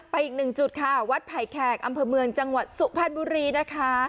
อีกหนึ่งจุดค่ะวัดไผ่แขกอำเภอเมืองจังหวัดสุพรรณบุรีนะคะ